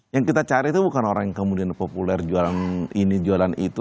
yang kita cari itu bukan orang yang kemudian populer jualan ini jualan itu